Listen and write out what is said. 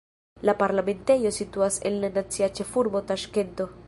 La parlamentejo situas en la nacia ĉefurbo Taŝkento.